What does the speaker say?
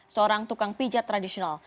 seorang tukang pijat tradisional